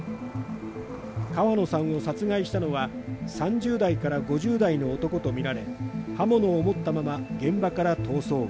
川野さんを殺害したのは３０代から５０代の男とみられ刃物を持ったまま、現場から逃走。